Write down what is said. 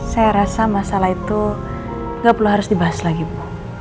saya rasa masalah itu nggak perlu harus dibahas lagi bu